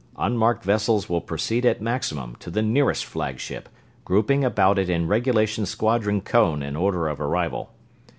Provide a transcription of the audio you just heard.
Unmarked vessels will proceed at maximum to the nearest flagship, grouping about it in regulation squadron cone in order of arrival.